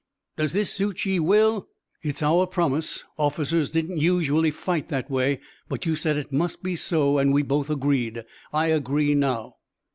"Does this suit ye, Will?" "It's our promise. Officers didn't usually fight that way, but you said it must be so, and we both agreed. I agree now."